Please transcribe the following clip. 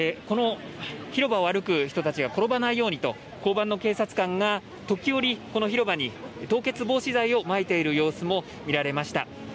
広場を歩く人たちが転ばないようにと交番の警察官が時折、この広場に凍結防止剤をまいている様子も見られました。